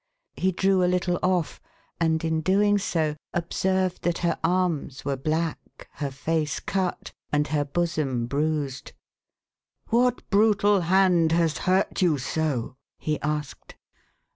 He drew a little off, and in doing so, observed that her arms were black, her face cut, and her bosom bruised. " What brutal hand has hurt you so ?" he asked.